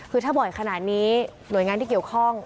คือถ้าบ่อยขนาดนี้หน่วยงานที่เกี่ยวข้อง